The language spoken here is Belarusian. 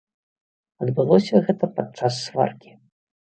Адбылося гэта падчас сваркі.